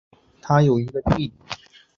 他还有一个弟弟和妹妹内奥米。